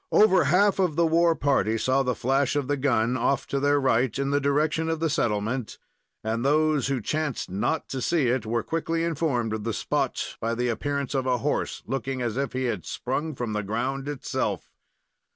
Over half of the war party saw the flash of the gun, off to their right, in the direction of the settlement, and those who chanced not to see it were quickly informed of the spot by the appearance of a horse, looking as if he had sprung from the ground itself.